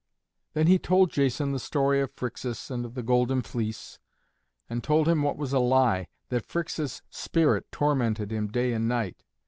Then he told Jason the story of Phrixus and of the Golden Fleece, and told him what was a lie, that Phrixus' spirit tormented him day and night.